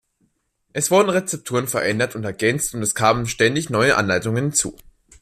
Es wurden Rezepturen verändert und ergänzt und es kamen ständig neue Anleitungen hinzu.